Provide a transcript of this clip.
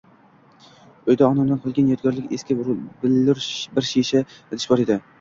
Uyda onamdan qolgan yodgorlik eski billur bir shisha idish bor edi